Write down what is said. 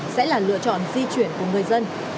sẽ là lựa chọn di chuyển của người dân